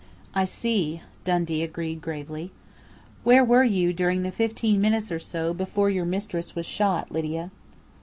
"I see," Dundee agreed gravely. "Where were you during the fifteen minutes or so before your mistress was shot, Lydia?"